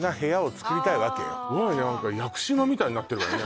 スゴいね何か屋久島みたいになってるわね